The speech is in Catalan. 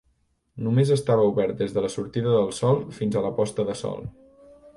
Només estava obert des de la sortida del sol fins a la posta de sol.